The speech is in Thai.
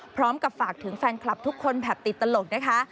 พร้อมกับฝากถึงแฟนคลับทุกคนแบบติดตลกนะคะ